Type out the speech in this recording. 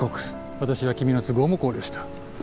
私は君の都合も考慮した。